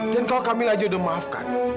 dan kalau kamila sudah dimaafkan